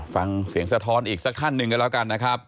ฟังเสียงสะท้อนอีกสักท่านหนึ่งกันแล้วกันนะครับ